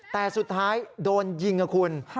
แต่สุดท้ายโดนยิงนะคุณ